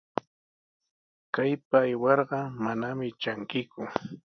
Kaypa aywarqa manami trankiku.